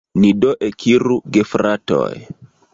Ni do ekiru, gefratoj!